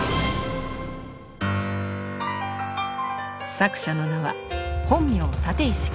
作者の名は本名立石紘一。